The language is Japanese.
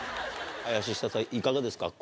林下さんいかがですか？